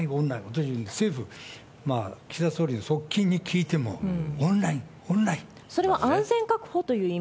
私、政府、まあ、岸田総理の側近に聞いても、オンライン、それは安全確保という意味？